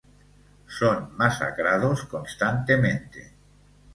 Son masacrados constantemente.